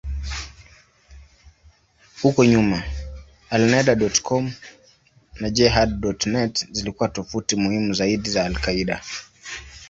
Huko nyuma, Alneda.com na Jehad.net zilikuwa tovuti muhimu zaidi za al-Qaeda.